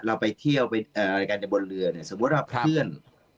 เราไปเที่ยวไปรายการจะบนเรือเนี่ยสมมุติว่าเพื่อน